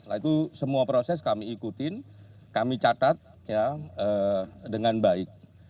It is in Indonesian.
nah itu semua proses kami ikutin kami catat dengan baik